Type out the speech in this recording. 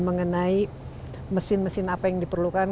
mengenai mesin mesin apa yang diperlukan